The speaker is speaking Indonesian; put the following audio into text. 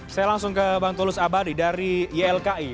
saya langsung ke bang tulus abadi dari ylki